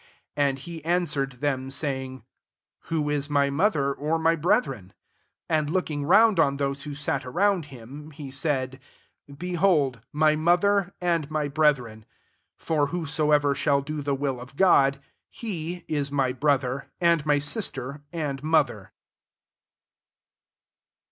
'' 33 And he answer ed them, saying, <* Who is my mother, or my brethren ?" 34 And looking round on those who sat [around him], he said, •'Behold my mother, and my brethren. i35 For whosoever shall do the will of God, he is my brother, and my sister, and mother.''